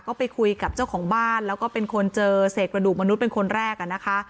ก็ไปคุยกับเจ้าของบ้านแล้วก็เป็นคนเจอเศษกระดูกมนุษย์เป็นคนแรกอ่ะนะคะ